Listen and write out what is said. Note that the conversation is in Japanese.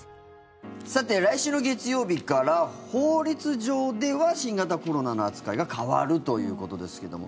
さて、来週の月曜日から法律上では新型コロナの扱いが変わるということですけども